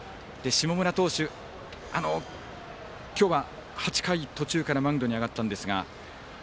下村投手、今日は８回途中からマウンドに上がったんですが。